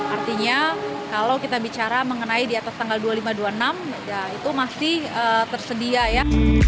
artinya kalau kita bicara mengenai di atas tanggal dua puluh lima dua puluh enam ya itu masih tersedia ya